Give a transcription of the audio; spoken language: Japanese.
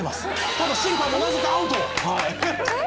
「ただ審判もなぜかアウト」「えっ？」